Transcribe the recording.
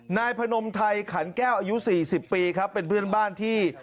นายพนมไทยขันแก้วอายุ๔๐ปีครับเป็นเพื่อนบ้านที่